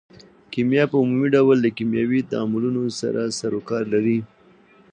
کیمیا په عمومي ډول له کیمیاوي تعاملونو سره سرو کار لري.